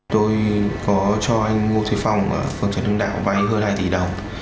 tôi có cho anh ngô thế phong ở phòng trận đường đảo vay hơn hai tỷ đồng